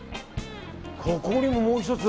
ここにも、もう１つ。